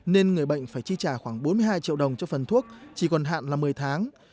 nên người bệnh phải chi trả khoảng bốn mươi hai triệu đồng cho phần thuốc chỉ còn hạn là một mươi tháng